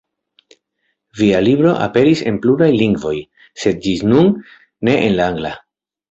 Via libro aperis en pluraj lingvoj, sed ĝis nun ne en la angla.